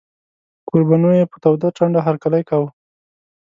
کوربنو یې په توده ټنډه هرکلی کاوه.